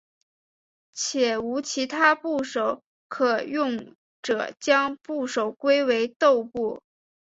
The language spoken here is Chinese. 且无其他部首可用者将部首归为豆部。